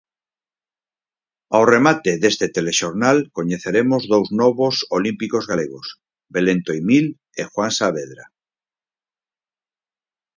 Ao remate deste Telexornal coñeceremos dous novos olímpicos galegos: Belén Toimil e Juan Saavedra.